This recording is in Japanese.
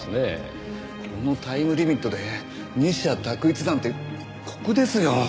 このタイムリミットで二者択一なんて酷ですよ！